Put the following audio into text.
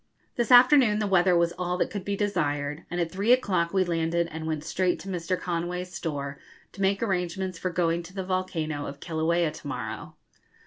This afternoon the weather was all that could be desired, and at three o'clock we landed and went straight to Mr. Conway's store to make arrangements for going to the volcano of Kilauea to morrow.